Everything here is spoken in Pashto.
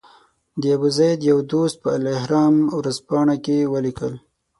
د ابوزید یو دوست په الاهرام ورځپاڼه کې ولیکل.